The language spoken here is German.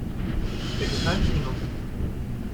Schickes Heimkino!